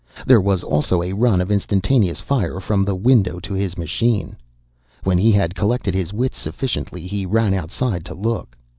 "There was also a run of instantaneous fire from the window to his machine. When he had collected his wits sufficiently, he ran outside to look.